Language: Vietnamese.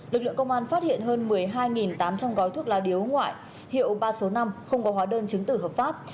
lực lượng công an phát hiện hơn một mươi hai tám trăm linh gói thuốc lá điếu ngoại hiệu ba trăm sáu mươi năm không có hóa đơn chứng tử hợp pháp